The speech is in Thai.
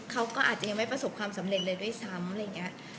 เขาก็อาจจะยังไม่ประสบความสำเร็จเลยด้วยซ้ำ